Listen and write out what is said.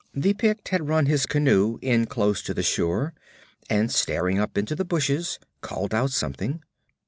The Pict had run his canoe in close to the shore, and staring up into the bushes, called out something.